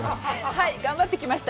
はい、頑張ってきました。